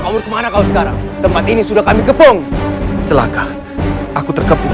kamu kemana kau sekarang tempat ini sudah kami kepung celaka aku terkepung